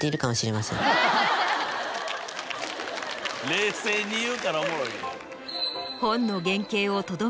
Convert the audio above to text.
冷静に言うからおもろい。